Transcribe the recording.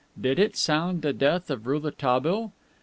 Did it sound the death of Rouletabille?